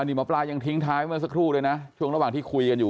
นี่หมอปลายังทิ้งท้ายเมื่อสักครู่เลยนะช่วงระหว่างที่คุยกันอยู่